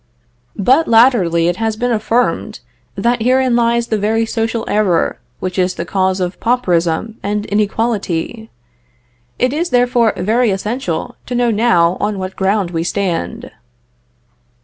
But latterly it has been affirmed, that herein lies the very social error which is the cause of pauperism and inequality. It is, therefore, very essential to know now on what ground we stand.